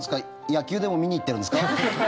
野球でも見に行っているんですか？